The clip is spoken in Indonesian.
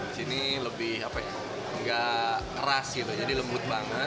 di sini lebih enggak ras gitu jadi lembut banget